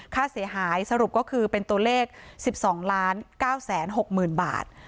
ค่าเสียหายสรุปก็คือเป็นตัวเลข๑๒๙๖๐๐๐บาท